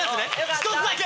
１つだけ？